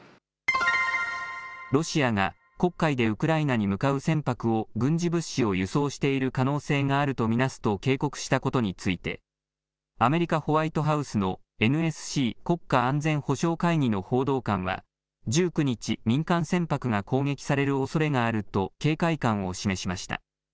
ロシアが黒海でウクライナに向かう船舶を軍事物資を輸送している可能性があると見なすと警告したことについてアメリカ・ホワイトハウスのＮＳＣ・国家安全保障会議の報道官は１９日、民間船舶が攻撃されるおそれがあると警戒感を示しました。